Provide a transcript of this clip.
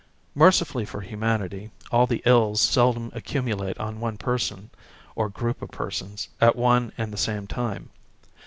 Mercifully for humanity, all the ills seldom accumulate on one person, or group of 238 THE AWAKENING OF SPRING persons, at one and the same time.